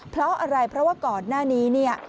เพราะอะไรเพราะว่าก่อนหน้านี้เนี่ย